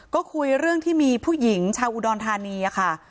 ก็คุยเรื่องที่มีผู้หญิงชาวอุดรธานีค่ะ